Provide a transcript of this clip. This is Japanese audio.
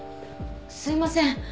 すいません。